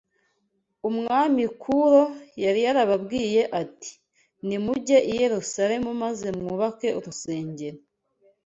Umwami Kuro yari yarababwiye ati nimujye i Yerusalemu maze mwubake urusengero